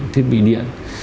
thiết bị điện